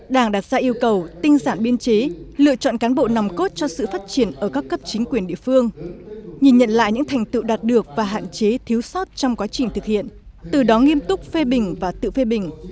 đảng đặt ra yêu cầu tinh giản biên chế lựa chọn cán bộ nòng cốt cho sự phát triển ở các cấp chính quyền địa phương nhìn nhận lại những thành tựu đạt được và hạn chế thiếu sót trong quá trình thực hiện từ đó nghiêm túc phê bình và tự phê bình